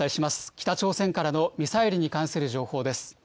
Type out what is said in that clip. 北朝鮮からのミサイルに関する情報です。